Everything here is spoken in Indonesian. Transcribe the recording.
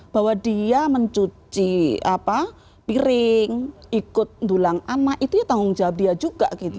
bahwa dia mencuci piring ikut dulang anak itu ya tanggung jawab dia juga gitu